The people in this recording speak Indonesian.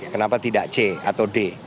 kenapa tidak c atau d